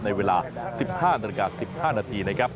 ในเวลา๑๕นาฬิกา๑๕นาทีนะครับ